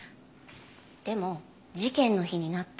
でも事件の日になって。